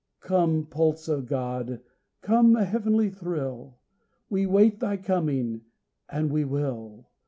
Come, pulse of God; come, heavenly thrill! We wait thy coming, and we will.